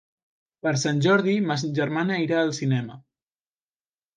Per Sant Jordi ma germana irà al cinema.